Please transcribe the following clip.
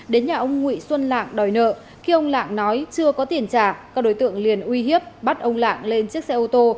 đến nhà ông nguyễn xuân lạng đòi nợ khi ông lạng nói chưa có tiền trả các đối tượng liền uy hiếp bắt ông lạng lên chiếc xe ô tô